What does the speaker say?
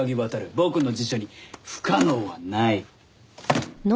僕の辞書に不可能はない。